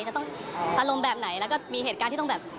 จะต้องอารมณ์แบบไหนแล้วก็มีเหตุการณ์ที่ต้องแบบ